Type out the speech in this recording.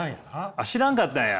あっ知らんかったんや！